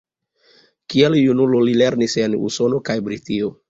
Kiel junulo, li lernis en Usono kaj Britio.